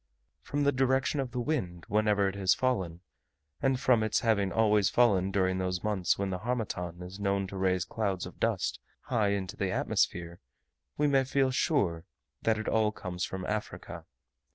From the direction of the wind whenever it has fallen, and from its having always fallen during those months when the harmattan is known to raise clouds of dust high into the atmosphere, we may feel sure that it all comes from Africa.